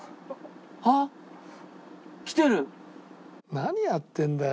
何やってんだよ